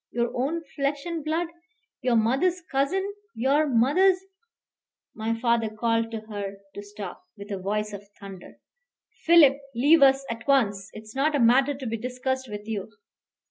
Your own flesh and blood; your mother's cousin, your mother's " My father called to her to stop, with a voice of thunder. "Philip, leave us at once. It is not a matter to be discussed with you."